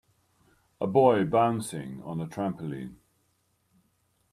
A boy bouncing on a trampoline.